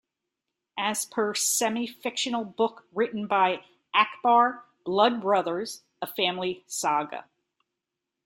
As per semi-fictional book written by Akbar, "Blood Brothers" "- A Family Saga".